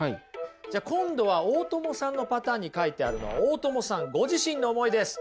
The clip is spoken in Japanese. じゃあ今度は大友さんのパターンに書いてあるのは大友さんご自身の思いです。